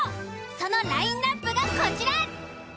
そのラインアップがこちら。